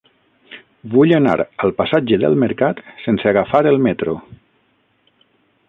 Vull anar al passatge del Mercat sense agafar el metro.